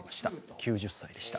９０歳でした。